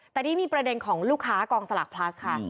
แต่นี่มีประเด็นของลูกค้ากองสลากพลัสค่ะ